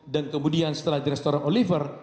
dan kemudian setelah di restoran oliver